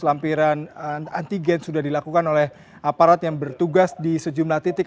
lampiran antigen sudah dilakukan oleh aparat yang bertugas di sejumlah titik